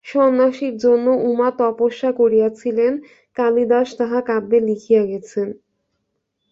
সন্ন্যাসীর জন্য উমা তপস্যা করিয়াছিলেন, কালিদাস তাহা কাব্যে লিখিয়া গেছেন।